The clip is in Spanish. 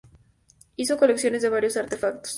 Hizo colecciones de varios artefactos.